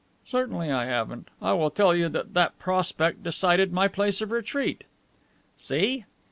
"Certainly I haven't. I will tell you that that prospect decided my place of retreat." "See!"